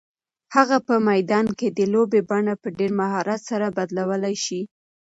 هغه په میدان کې د لوبې بڼه په ډېر مهارت سره بدلولی شي.